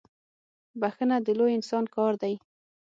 بخښنه د لوی انسان کار دی.